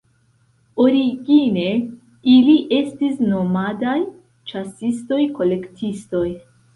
Origine, ili estis nomadaj, ĉasistoj-kolektistoj.